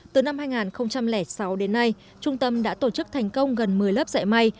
từ năm hai nghìn sáu đến nay trung tâm đã tổ chức thành công gần một mươi lớp dạy may